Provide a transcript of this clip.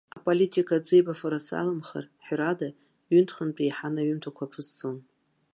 Аполитика ӡеибафара саламхар, ҳәарада, ҩынтә-хынтә еиҳаны аҩымҭақәа аԥысҵон.